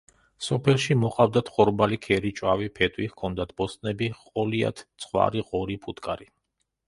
სოფელში მოჰყავდათ ხორბალი, ქერი, ჭვავი, ფეტვი, ჰქონდათ ბოსტნები; ჰყოლიათ ცხვარი, ღორი, ფუტკარი.